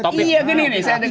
iya gini gini saya ada ideologi